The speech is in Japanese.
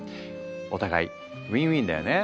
お互いウィンウィンだよね。